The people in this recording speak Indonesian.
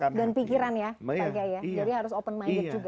jadi harus open minded juga